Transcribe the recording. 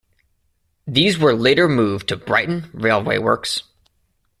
These were later moved to Brighton railway works.